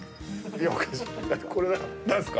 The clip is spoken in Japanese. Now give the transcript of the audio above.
これは何ですか？